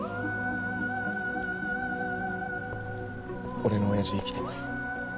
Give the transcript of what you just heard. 俺の親父生きてます。